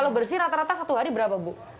kalau bersih rata rata satu hari berapa bu